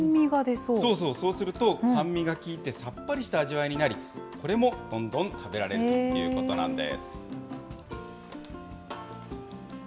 そうそうそう、そうすると酸味が効いて、さっぱりした味わいになり、これもどんどん食べられるということなんです。